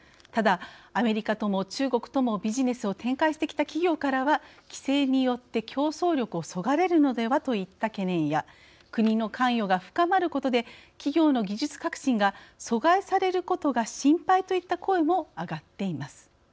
ただ、アメリカとも中国ともビジネスを展開してきた企業からは「規制によって競争力をそがれるのでは」といった懸念や「国の関与が深まることで企業の技術革新が阻害されることが心配」といった声も挙がっています。